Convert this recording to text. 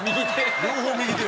両方右手。